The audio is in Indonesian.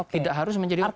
tidak harus menjadi wapres